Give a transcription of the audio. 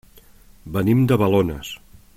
Venim de Balones.